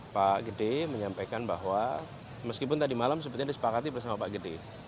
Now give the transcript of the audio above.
pak gede menyampaikan bahwa meskipun tadi malam sepertinya disepakati bersama pak gede